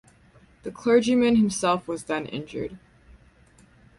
The clergyman himself was then injured.